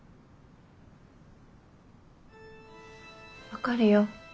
分かるよ。